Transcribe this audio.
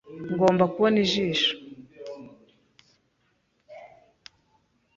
Ngomba kubona ijisho.